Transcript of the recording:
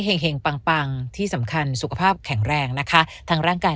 แห่งปังปังที่สำคัญสุขภาพแข็งแรงนะคะทั้งร่างกาย